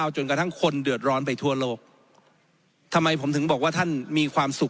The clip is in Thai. จนกระทั่งคนเดือดร้อนไปทั่วโลกทำไมผมถึงบอกว่าท่านมีความสุข